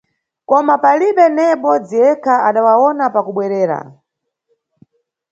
Koma, palibe neye mʼbodzi yekha adawawona pa kubwerera.